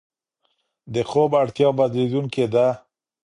د خوب اړتیا بدلېدونکې ده.